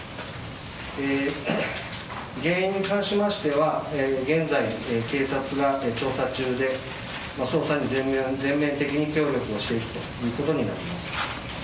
原因に関しましては現在、警察が調査中で捜査に全面的に協力をしていくということになります。